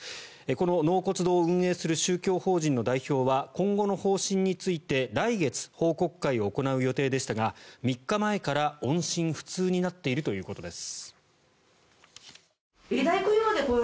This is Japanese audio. この納骨堂を運営する宗教法人の代表は今後の方針について来月、報告会を行う予定でしたが３日前から音信不通になっているということです。